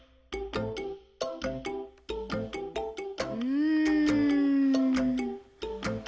うん。